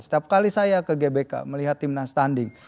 setiap kali saya ke gbk melihat timnas tanding